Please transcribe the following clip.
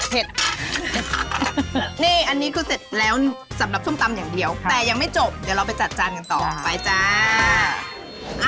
นี่อันนี้คือเสร็จแล้วสำหรับส้มตำอย่างเดียวแต่ยังไม่จบเดี๋ยวเราไปจัดจานกันต่อไปจ้า